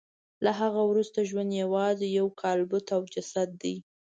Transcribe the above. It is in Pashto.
له هغه وروسته ژوند یوازې یو کالبد او جسد دی